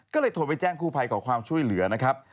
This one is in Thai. ก็เลยโทรไปแจ้งคู่ภัยขอความช่วยเหลือนะครับ